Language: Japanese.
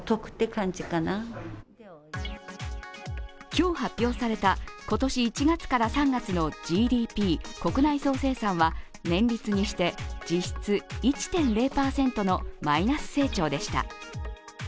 今日発表された今年１月から３月のＧＤＰ＝国内総生産は、年率にして実質１．０％のマイナス成長でした。